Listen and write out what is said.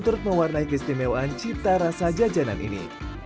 terus mewarnai kistimewaan cita rasa jajanan ini